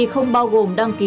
không bao gồm đăng ký